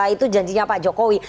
itu janjinya pak jokowi